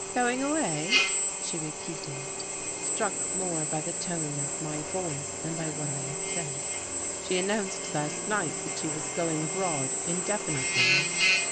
"Going away?" she repeated, struck more by the tone of my voice than by what I had said. "She announced last night that she was going abroad indefinitely."